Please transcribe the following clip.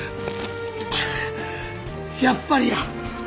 やっぱりや！